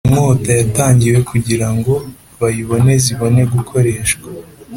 Iyo nkota yatangiwe kugira ngo bayiboneze ibone gukoreshwa